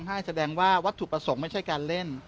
ให้แสดงว่าวัตถุประสงค์ไม่ใช่การเล่น